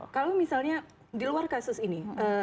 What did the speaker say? kalau misalnya di luar kasus ini